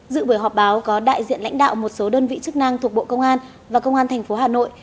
dự buổi họp báo có đại diện lãnh đạo một số đơn vị chức năng thuộc bộ công an và công an tp hà nội